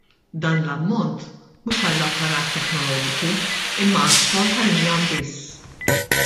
Dan l-ammont mhux għall-apparat teknoloġiku imma għax-xogħol tal-injam biss!